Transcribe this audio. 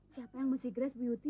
siapa yang masih gres bu yuti